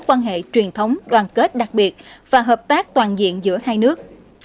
quan hệ truyền thống đoàn kết đặc biệt và hợp tác toàn diện giữa hai nước